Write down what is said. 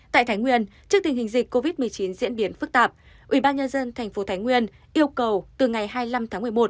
tại thái nguyên trước tình hình dịch covid một mươi chín diễn biến phức tạp ubnd tp thái nguyên yêu cầu từ ngày hai mươi năm tháng một mươi một